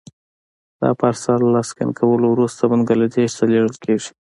دا پارسل له سکن کولو وروسته بنګلادیش ته لېږل کېږي.